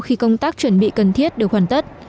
khi công tác chuẩn bị cần thiết được hoàn tất